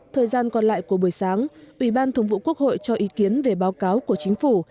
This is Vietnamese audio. thời gian còn lại của buổi sáng ủy ban thường vụ quốc hội cho ý kiến về báo cáo của chính phủ